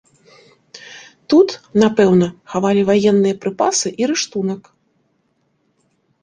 Тут, напэўна, хавалі ваенныя прыпасы і рыштунак.